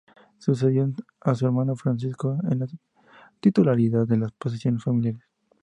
Sucedió a su hermano Francisco en la titularidad de las posesiones familiares.